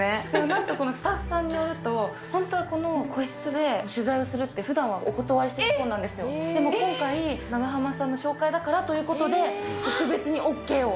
なんかスタッフさんによると、本当はこの個室で取材をするってふだんはお断りしてるそうなんですよ、でも今回、長濱さんの紹介だからということで、特別にＯＫを。